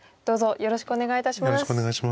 よろしくお願いします。